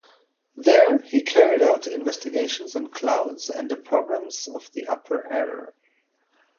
There he carried out investigations on clouds and the problems of the upper air.